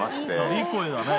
いい声だね。